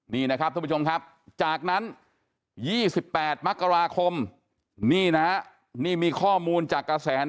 นี่นะครับทุกผู้ชมครับจากนั้น๒๘มกราคมนี่นะนี่มีข้อมูลจากกระแส